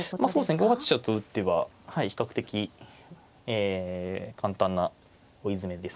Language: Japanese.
５八飛車と打てばはい比較的簡単な追い詰めですね。